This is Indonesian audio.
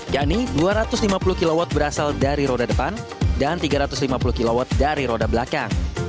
yakni dua ratus lima puluh kw berasal dari roda depan dan tiga ratus lima puluh kw dari roda belakang